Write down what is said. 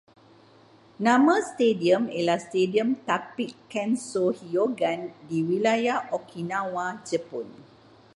Nama stadium ialah Stadium Tapic Kenso Hiyagon, di Wilayah Okinawa, Jepun